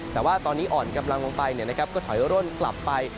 แต่ว่าตอนนี้อ่อนกำลังลงไปก็ถอยร่นกลับไป